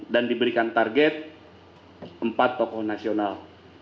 dan diberikan target empat tokoh nasional